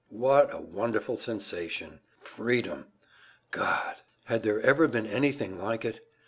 What a wonderful sensation freedom! God! Had there ever been anything like it?